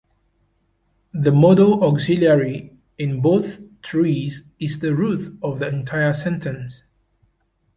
The modal auxiliary in both trees is the root of the entire sentence.